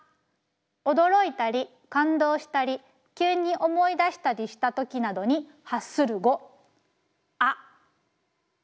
驚いたり感動したり急に思い出したりしたときなどに発する語。あっ」。